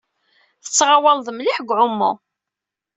Tettɣawaleḍ mliḥ deg uɛumu.